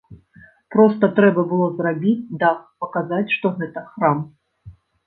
Проста трэба было зрабіць дах, паказаць, што гэта храм.